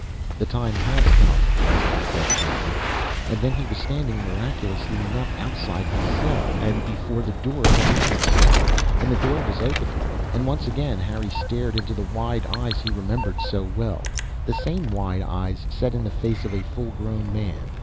"The time has come," Austin said, gently. And then he was standing, miraculously enough, outside his cell and before the door to Harry's cell, and the door was opening. And once again Harry stared into the wide eyes he remembered so well the same wide eyes, set in the face of a fullgrown man.